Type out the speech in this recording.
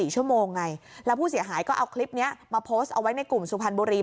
๔ชั่วโมงไงแล้วผู้เสียหายก็เอาคลิปนี้มาโพสต์เอาไว้ในกลุ่มสุพรรณบุรี